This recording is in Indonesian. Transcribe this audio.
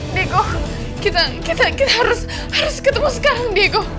diego kita harus ketemu sekarang diego